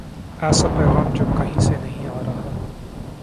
ایسا پیغام جو کہیں سے نہیں آ رہا۔